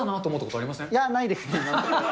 いや、ないです。